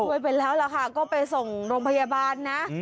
ไปแล้วล่ะค่ะก็ไปส่งโรงพยาบาลนะ